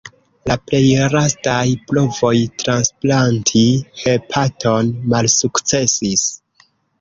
La plej lastaj provoj transplanti hepaton malsukcesis.